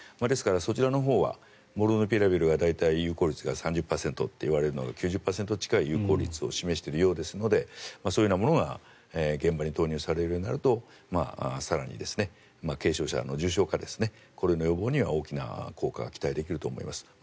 ですから、そちらのほうはモルヌピラビルが有効率が３０％といわれるのが９０％近い有効率を示しているようですのでそういうものが現場に投入されるようになると更に、軽症者の重症化これの予防には大きな効果が期待できると思います。